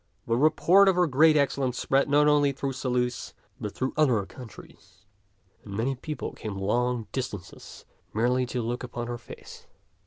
The report of her great excellence spread not only through Saluces, but through other countries, and many people came long distances merely to look upon her face.